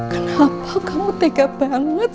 kenapa kamu tega banget